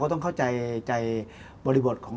เพราะอะไรค่ะ